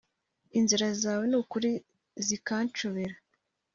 Inzira zawe nukuri zikanshobera